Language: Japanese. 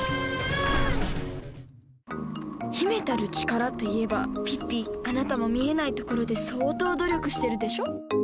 「Ａｈ，ａｈ」秘めたる力といえばピッピあなたも見えないところで相当努力してるでしょ？